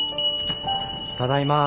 ただいま。